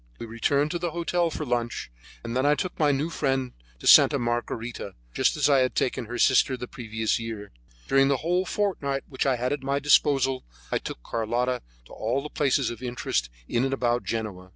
We returned to the hotel for lunch, and then I took my new friend to Santa Margarita, just as I had taken her sister the year previously. During the whole fortnight which I had at my disposal, I took Carlotta to all the places of interest in and about Genoa.